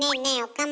岡村。